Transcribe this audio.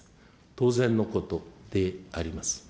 当然のことであります。